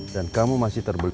dan kamu masih terbelut